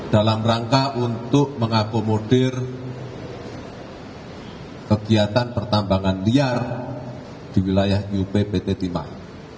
dalam rangka untuk mengakomodir kegiatan pertambangan liar di wilayah up pt timah